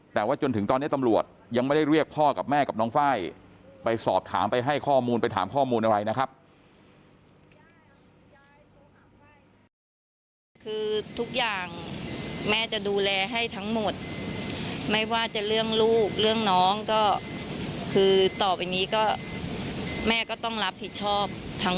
แต่ว่าจนถึงตอนนี้ตำรวจยังไม่ได้เรียกพ่อกับแม่กับน้องไฟล์ไปสอบถามไปให้ข้อมูลไปถามข้อมูลอะไรนะครับ